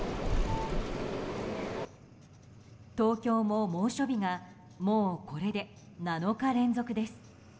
東京も猛暑日がもうこれで７日連続です。